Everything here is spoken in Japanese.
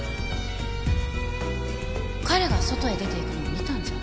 彼が外へ出ていくのを見たんじゃ